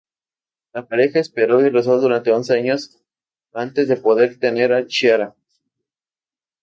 La pareja esperó y rezó durante once años antes de poder tener a Chiara.